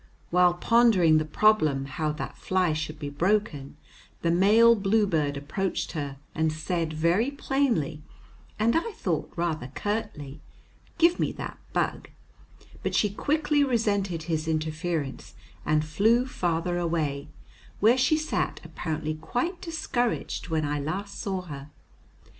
While pondering the problem how that fly should be broken, the male bluebird approached her, and said very plainly, and I thought rather curtly, "Give me that bug," but she quickly resented his interference and flew farther away, where she sat apparently quite discouraged when I last saw her.